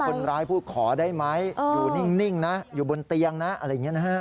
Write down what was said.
คนร้ายพูดขอได้ไหมอยู่นิ่งนะอยู่บนเตียงนะอะไรอย่างนี้นะฮะ